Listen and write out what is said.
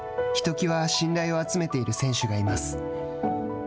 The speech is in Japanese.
ひときわ信頼を集めている選手がいます。